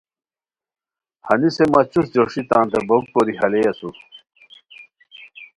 ہنیسے مہ چوست جوشی تانتے بوک کوری ہالئے اسور